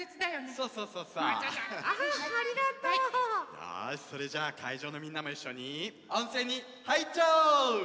よしそれじゃあかいじょうのみんなもいっしょに温泉にはいっちゃおう！